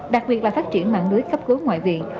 đặc biệt là phát triển mạng lưới cấp cứu ngoại viện